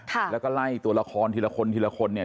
ค่ะแล้วก็ไล่ตัวละครทีละคนทีละคนเนี่ย